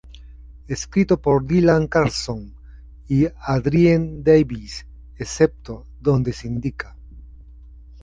Escrito por Dylan Carlson y Adrienne Davies, excepto donde se indica.